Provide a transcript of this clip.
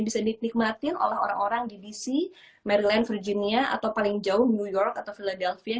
bisa dinikmatin oleh orang orang dbc maryland virginia atau paling jauh new york atau philadelphia